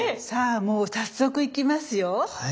さあもう早速いきますよ。